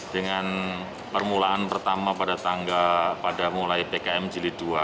dengan permulaan pertama pada tangga pada mulai pkm jilid dua